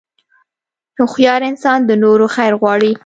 هوښیار انسان د نورو خیر غواړي.